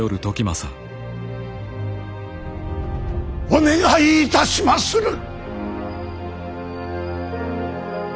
お願いいたしまする！